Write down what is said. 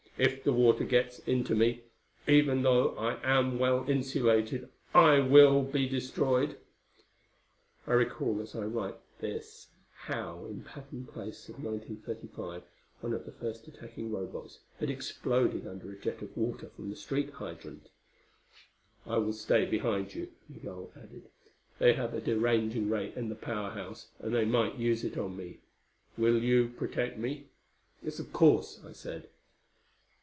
"If the water gets into me even though I am well insulated I will be destroyed!" I recall as I write this how in Patton Place of 1935, one of the first attacking Robots had exploded under a jet of water from the street hydrant. "I will stay behind you," Migul added. "They have a deranging ray in the Power House, and they might use it on me. Will you protect me?" "Yes, of course," I said.